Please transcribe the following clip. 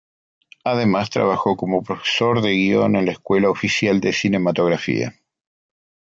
Además, trabajó como profesor de guion de la Escuela Oficial de Cinematografía.